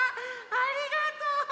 ありがとう！